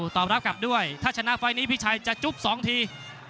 ตอบรับกลับด้วยถ้าชนะไฟล์นี้พี่ชัยจะจุ๊บ๒ที